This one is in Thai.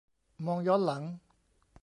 มองย้อนหลัง